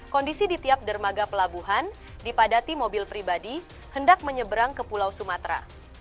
kondisi di tiap dermaga pelabuhan dipadati mobil pribadi hendak menyeberang ke pulau sumatera